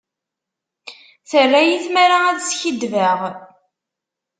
Terra-yi tmara ad skiddbeɣ.